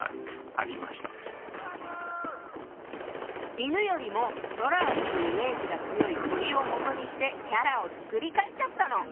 犬よりも空を飛ぶイメージが強い鳥をもとにしてキャラを作り替えちゃったの！